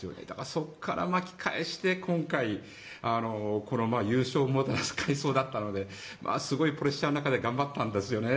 そこから巻き替えして、今回この優勝をもたらす快走だったのですごいプレッシャーの中で頑張ったんですよね。